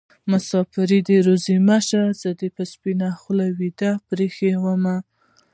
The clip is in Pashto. مسافري دې روزي مه شه زه دې په سپينه خولې ويده پرې ايښې ومه